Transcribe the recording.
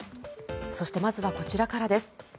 そして、まずはこちらからです。